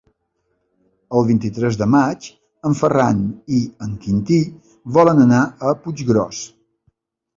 El vint-i-tres de maig en Ferran i en Quintí volen anar a Puiggròs.